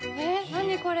何これ！